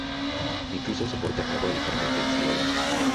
Incluso soporta agua ligeramente salobre.